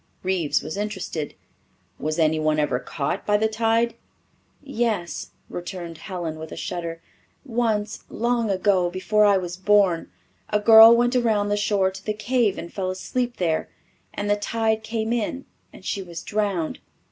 Reeves was interested. "Was anyone ever caught by the tide?" "Yes," returned Helen, with a shudder. "Once, long ago, before I was born, a girl went around the shore to the cave and fell asleep there and the tide came in and she was drowned.